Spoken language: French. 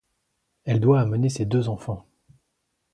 Elle doit amener ses deux enfants.